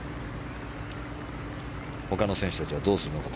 他の選手たちはどうするのか。